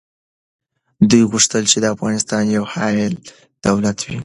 دوی غوښتل چي افغانستان یو حایل دولت وي.